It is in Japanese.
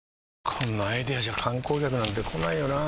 こんなアイデアじゃ観光客なんて来ないよなあ